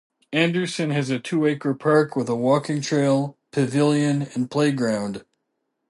Anderson has a two-acre park with a walking trail, pavilion, and play ground.